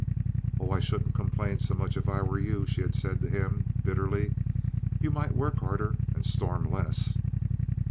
"Oh, I shouldn't complain so much if I were you," she had said to him, bitterly. "You might work harder and storm less."